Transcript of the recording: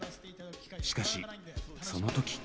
しかしその時。